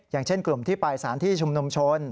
อย่างเช่นกลุ่มที่ไปสถานที่ชุมนุมชน